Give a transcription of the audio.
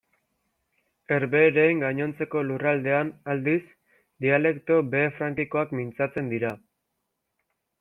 Herbehereen gainontzeko lurraldean, aldiz, dialekto behe-frankikoak mintzatzen dira.